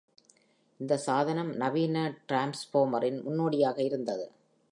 இந்த சாதனம் நவீன டிரான்ஸ்பார்மரின் முன்னோடியாக இருந்தது.